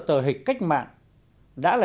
tờ hịch cách mạng đã là